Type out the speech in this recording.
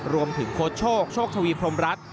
รวมถึงโคชโชคโชคทวีพรหมรัฐ